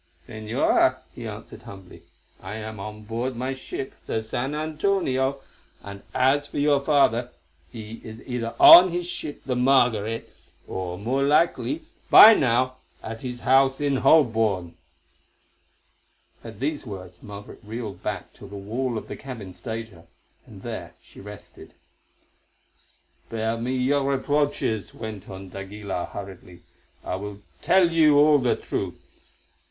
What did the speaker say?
"Señora," he answered humbly, "I am on board my ship, the San Antonio, and as for your father, he is either on his ship, the Margaret, or more likely, by now, at his house in Holborn." At these words Margaret reeled back till the wall of the cabin stayed her, and there she rested. "Spare me your reproaches," went on d'Aguilar hurriedly. "I will tell you all the truth.